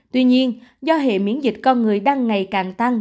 tuy nhiên do hệ miễn dịch con người đang ngày càng tăng